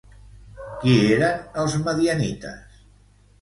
Qui eren els madianites?